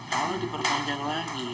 kalau diperpanjang lagi